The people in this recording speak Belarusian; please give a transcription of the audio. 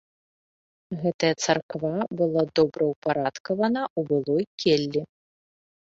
Гэтая царква была добраўпарадкавана ў былой келлі.